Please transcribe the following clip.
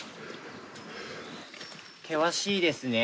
険しいですね。